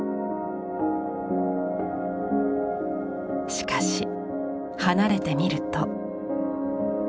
しかし離れてみると。